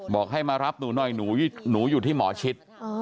บอกให้มารับหนูหน่อยหนูอยู่ที่หมอชิด